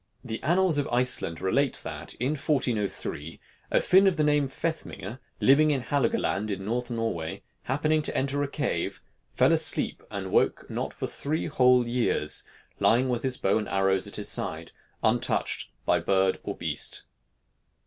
The annals of Iceland relate that, in 1403, a Finn of the name of Fethmingr, living in Halogaland, in the North of Norway, happening to enter a cave, fell asleep, and woke not for three whole years, lying with his bow and arrows at his side, untouched by bird or beast.